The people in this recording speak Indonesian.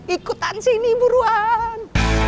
ikutan sini buruan